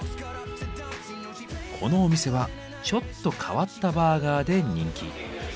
このお店はちょっと変わったバーガーで人気。